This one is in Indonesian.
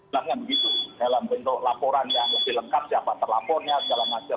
nah kan begitu dalam bentuk laporan yang lebih lengkap siapa terlapornya segala macam